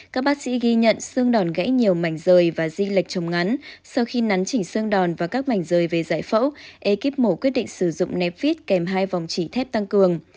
các bác sĩ ghi nhận xương đòn gãy nhiều mảnh rời và di lệch trồng ngắn sau khi nắn chỉnh xương đòn và các mảnh rời về giải phẫu ekip mổ quyết định sử dụng nẹp vít kèm hai vòng chỉ thép tăng cường